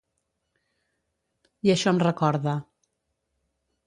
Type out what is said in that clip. I això em recorda.